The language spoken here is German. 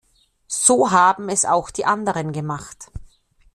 So haben es auch die anderen gemacht!